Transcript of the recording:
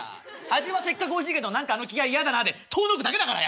「味はせっかくおいしいけど何かあの気合い嫌だな」で遠のくだけだからやめてくれあれ。